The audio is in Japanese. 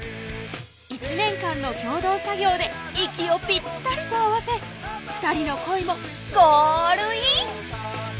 １年間の共同作業で息をぴったりと合わせ２人の恋もゴールイン！